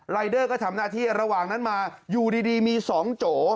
เดอร์ก็ทำหน้าที่ระหว่างนั้นมาอยู่ดีมี๒โจ